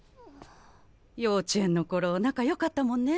幼稚園の頃仲良かったもんね。